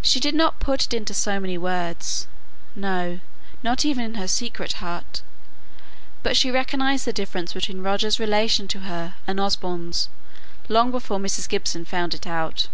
She did not put it into so many words no, not even in her secret heart but she recognized the difference between Roger's relation to her and Osborne's long before Mrs. Gibson found it out.